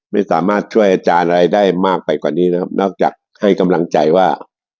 ไม่สามารถช่วยอาจารย์อะไรได้มากไปกว่านี้นะครับนอกจากให้กำลังใจว่า